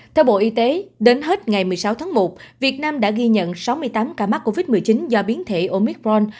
theo bộ y tế đến hết ngày một mươi sáu tháng một việt nam đã ghi nhận sáu mươi tám ca mắc covid một mươi chín do biến thể omicron